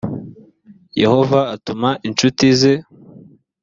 yehova atuma incuti ze